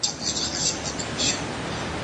ته باید تر ټولو زیات مقاومت وکړې.